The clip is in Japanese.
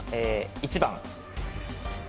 １番。